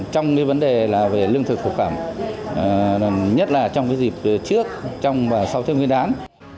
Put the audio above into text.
trong vấn đề về lương thực phẩm nhất là trong dịp trước sau tết nguyên đán